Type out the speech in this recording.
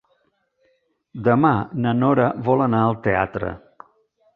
Demà na Nora vol anar al teatre.